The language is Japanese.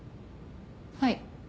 はい。